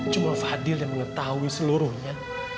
cuma fadil yang mengetahui seluruhnya